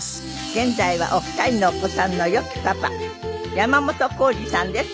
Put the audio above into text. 現在はお二人のお子さんの良きパパ山本耕史さんです。